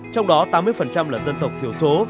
trong đó tám mươi là dân tộc thiểu số